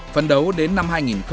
phân đấu đến năm hai nghìn ba mươi